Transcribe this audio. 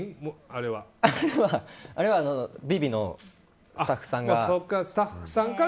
あれは「ＶｉＶｉ」のスタッフさんが。